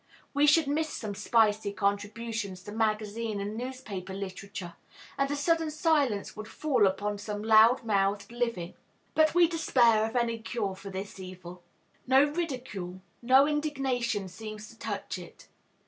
We should miss some spicy contributions to magazine and newspaper literature; and a sudden silence would fall upon some loud mouthed living. But we despair of any cure for this evil. No ridicule, no indignation seems to touch it.